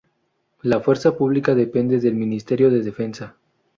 La Fuerza Pública depende del Ministerio de Defensa.